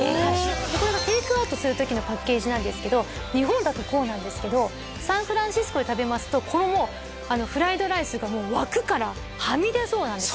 これがテイクアウトする時のパッケージなんですけど日本だとこうなんですけどサンフランシスコで食べますとこのフライドライスが枠からはみ出そうなんですよ